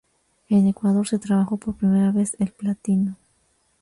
En Ecuador se trabajó por primera vez el platino.